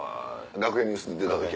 『楽屋ニュース』に出た時？